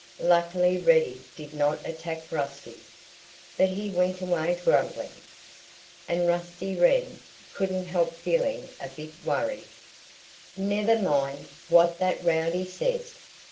Luckily Reddy did not attack Rusty. But he went away grumbling. And Rusty Wren couldn't help feeling a bit worried. "Never mind what that rowdy says!"